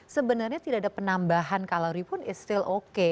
sebenarnya tidak ada penambahan kalori pun it's still oke